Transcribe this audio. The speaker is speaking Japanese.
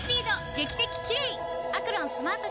劇的キレイ！